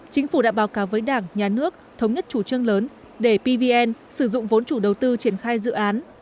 chính phủ đã báo cáo với đảng nhà nước thống nhất chủ trương lớn để pvn sử dụng vốn chủ đầu tư triển khai dự án